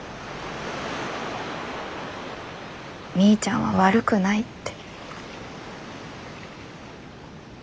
みーちゃんは悪くないって。